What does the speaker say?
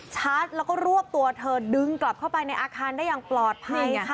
ชาร์จแล้วก็รวบตัวเธอดึงกลับเข้าไปในอาคารได้อย่างปลอดภัย